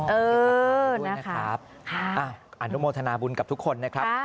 เออนะคะค่ะค่ะอันนุโมทนาบุญกับทุกคนนะครับค่ะ